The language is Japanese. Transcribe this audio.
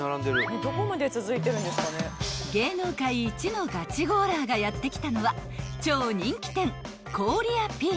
［芸能界一のガチゴーラーがやって来たのは超人気店］